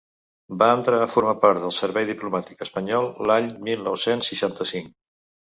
Va entrar a formar part del servei diplomàtic espanyol l’any mil nou-cents seixanta-cinc.